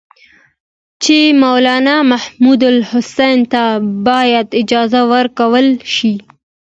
چې مولنا محمودالحسن ته باید اجازه ورکړل شي.